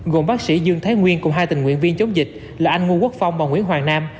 gồm bác sĩ dương thái nguyên cùng hai tình nguyện viên chống dịch là anh ngô quốc phong và nguyễn hoàng nam